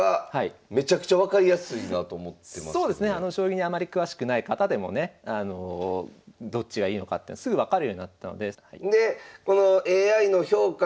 将棋にあまり詳しくない方でもねどっちがいいのかってすぐ分かるようになったので。